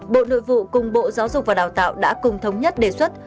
bộ nội vụ cùng bộ giáo dục và đào tạo đã cùng thống nhất đề xuất